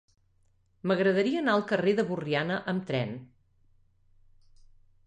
M'agradaria anar al carrer de Borriana amb tren.